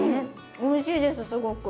おいしいですすごく。